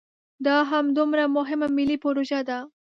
دا همدومره مهمه ملي پروژه ده.